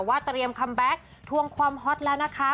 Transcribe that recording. เตรียมคัมแบ็คทวงความฮอตแล้วนะคะ